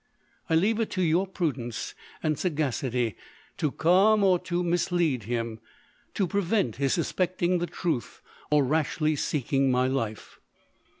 I leave it to your prudence and sagacity to calm or to mislead him, to prevent his suspecting the truth, or rashly seeking my life.